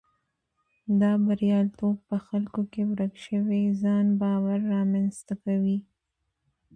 دا بریالیتوب په خلکو کې ورک شوی ځان باور رامنځته کوي.